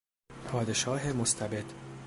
پادشاه مستبد